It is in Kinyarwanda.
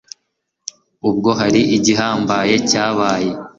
ubwo hari igihambaye cyabaye